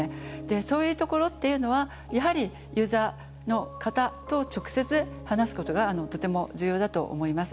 そういうところっていうのはやはりユーザーの方と直接話すことがとても重要だと思います。